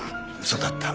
嘘だった。